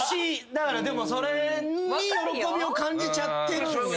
だからそれに喜びを感じちゃってる。